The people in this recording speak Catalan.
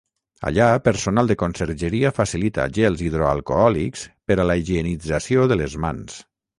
Allà, personal de consergeria facilita gels hidroalcohòlics per a la higienització de les mans.